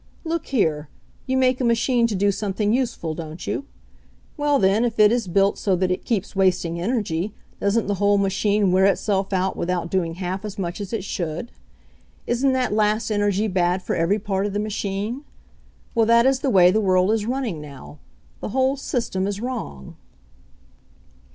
Look here, you make a machine to do something useful, don't you? Well, then, if it is built so that it keeps wasting energy, doesn't the whole machine wear itself out without doing half as much as it should ? Isn't that last energy bad for eyery part of the machine? Well, that is the way the world is running now. The whole sys tem is wrong."